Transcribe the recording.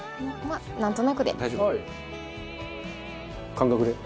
感覚で。